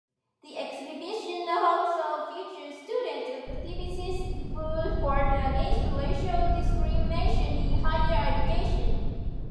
The exhibition also features student activists who fought against racial discrimination in higher education.